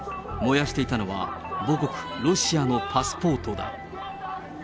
燃やしていたのは、母国ロシアのパスポートだ。